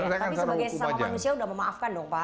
tapi sebagai sesama manusia sudah memaafkan dong pak